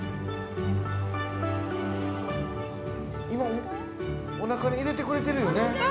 今おなかに入れてくれてるよね。